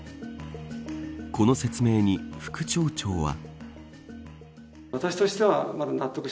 この説明に副町長は。